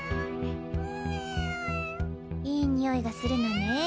いい匂いがするのね。